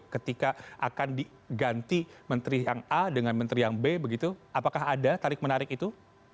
ketika akan diganti menteri yang a dengan menteri yang b begitu apakah ada tarik menarik itu